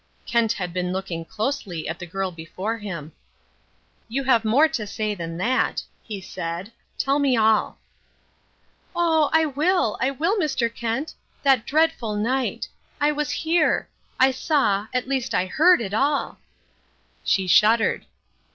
Kent had been looking closely at the girl before him. "You have more to say than that," he said. "Tell me all." "Oh, I will, I will, Mr. Kent. That dreadful night! I was here. I saw, at least I heard it all." She shuddered.